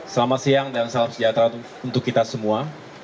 selamat siang dan salam sejahtera untuk kita semua